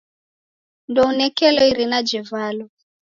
Ndounekelo irina jevalwa.